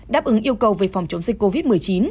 đáp ứng yêu cầu về phòng chống dịch covid một mươi chín